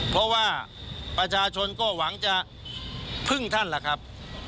เพราะว่าประชาชนก็หวังจะพึ่งท่านล่ะครับ